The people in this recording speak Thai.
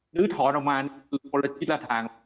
นึกถอนออกมานี่คือคนละทิศละทาง